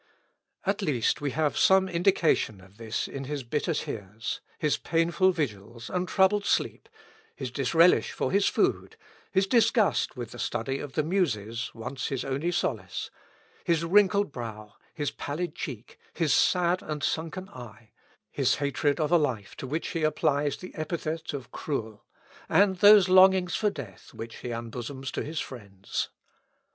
At least we have some indication of this in his bitter tears his painful vigils, and troubled sleep his disrelish for his food his disgust with the study of the muses, once his only solace his wrinkled brow his pallid cheek his sad and sunken eye his hatred of a life to which he applies the epithet of cruel and those longings for death which he unbosoms to his friends.